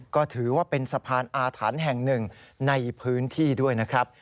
ก็ถือว่าเป็นสะพานอาถรรพ์แห่งหนึ่งในพื้นที่ด้วยนะครับ